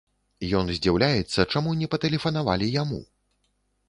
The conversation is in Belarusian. Ён здзіўляецца, чаму не патэлефанавалі яму?